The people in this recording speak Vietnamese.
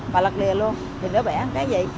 và lật lìa luôn thì nó vẽ cái vậy